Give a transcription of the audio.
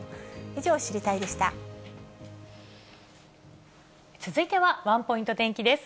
以上、続いては、ワンポイント天気です。